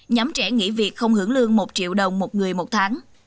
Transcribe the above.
nhóm trẻ nghỉ việc không hưởng lương một triệu đồng một người một tháng